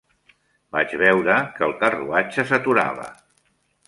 Vaig veure que el carruatge s'aturava.